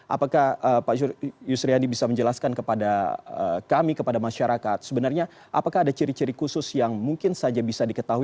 apakah pak yusriandi bisa menjelaskan kepada kami kepada masyarakat sebenarnya apakah ada ciri ciri khusus yang mungkin saja bisa diketahui